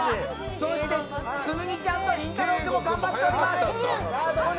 そして、つむぎちゃんとりんたろう君も頑張っております！